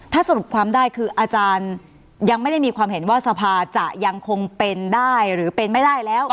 ถ้าสรุปความได้คืออาจารย์ยังไม่ได้มีความเห็นว่าสภาจะยังคงเป็นได้หรือเป็นไม่ได้แล้ว